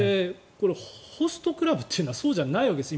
ホストクラブというのはそうじゃないわけです。